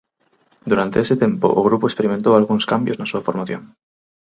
Durante ese tempo o grupo experimentou algúns cambios na súa formación.